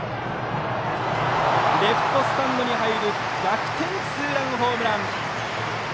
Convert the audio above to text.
レフトスタンドに入る逆転ツーランホームラン。